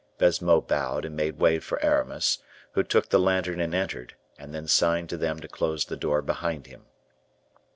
Baisemeaux bowed, and made way for Aramis, who took the lantern and entered; and then signed to them to close the door behind him.